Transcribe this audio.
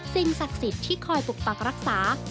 สิ่งศักดิ์สิทธิ์ที่คอยปกปักรักษา